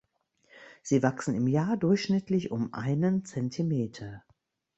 Sie wachsen im Jahr durchschnittlich um einen Zentimeter.